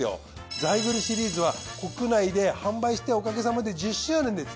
ザイグルシリーズは国内で販売しておかげさまで１０周年です。